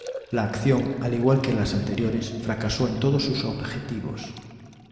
La acción, al igual que las anteriores, fracasó en todos sus objetivos.